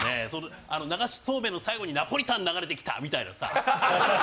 流しそうめんの最後にナポリタン流れてきたみたいん。